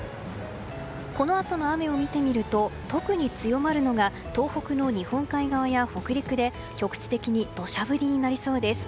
このあとの雨を見てみると特に強まるのが東北の日本海側や北陸で局地的にどしゃ降りになりそうです。